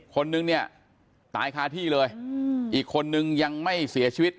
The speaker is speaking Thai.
คนนึงเนี่ยตายคาที่เลยอีกคนนึงยังไม่เสียชีวิต